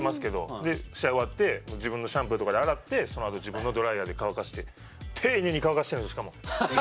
試合終わって自分のシャンプーとかで洗って自分のドライヤーで丁寧に乾かしてるんですよ、しかも。